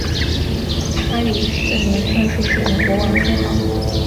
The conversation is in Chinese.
他于次年正式使用国王的称号。